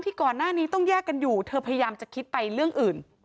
ก่อนหน้านี้ต้องแยกกันอยู่เธอพยายามจะคิดไปเรื่องอื่น